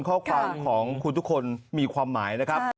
ข้อความของคุณทุกคนมีความหมายนะครับ